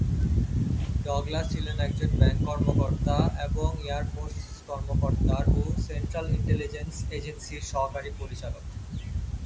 Douglas ছিলেন একজন bank কর্মকর্তা এবং এয়ার ফোর্স কর্মকর্তা ও সেন্ট্রাল ইন্টেলিজেন্স এজেন্সির সহকারী পরিচালক।